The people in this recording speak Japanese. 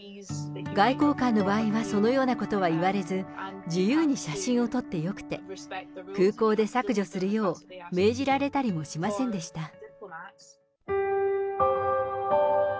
外交官の場合はそのようなことは言われず、自由に写真を撮ってよくて、空港で削除するよう命じられたりもしませんでした。